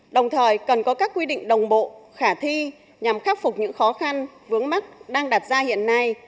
đồng thời cần có các quy định đồng bộ khả thi nhằm khắc phục những khó khăn vướng mắt đang đặt ra hiện nay